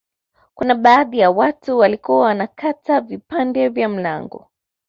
Kuna baadhi ya watu walikuwa wanakata vipande vya mlango